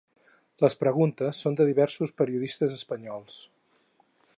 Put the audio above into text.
Les preguntes són de diversos periodistes espanyols.